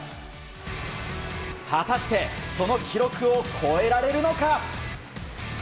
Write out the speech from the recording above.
果たしてその記録を超えられるのか？